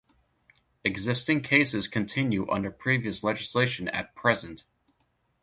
Existing cases continue under previous legislation at present.